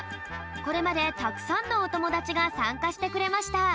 これまでたくさんのおともだちがさんかしてくれました。